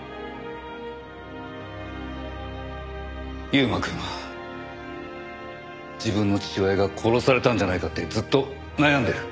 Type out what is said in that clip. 優馬くんは自分の父親が殺されたんじゃないかってずっと悩んでる。